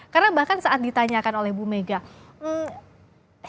karena bahkan saat ditanyakan oleh ibu megawati